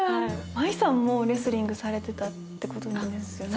麻衣さんもレスリングされてたってことなんですよね。